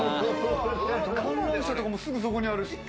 観覧車とかもすぐそこにあるし。